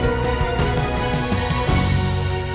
sudah mulai memilih dirimu sendiri